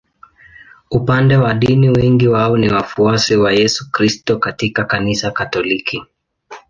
Upande wa dini wengi wao ni wafuasi wa Yesu Kristo katika Kanisa Katoliki.